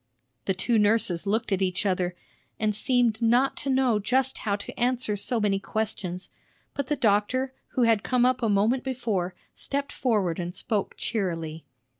The two nurses looked at each other, and seemed not to know just how to answer so many questions; but the doctor, who had come up a moment before, stepped forward and spoke cheerily.